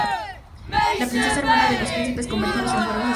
La princesa, hermana de los príncipes convertidos en cuervos, escapa.